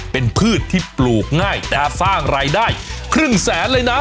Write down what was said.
เป็นพืชที่ปลูกง่ายแต่สร้างรายได้ครึ่งแสนเลยนะ